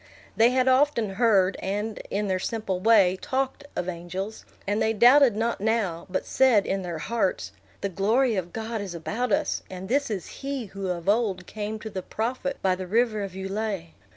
They had often heard, and, in their simple way, talked, of angels; and they doubted not now, but said, in their hearts, The glory of God is about us, and this is he who of old came to the prophet by the river of Ulai.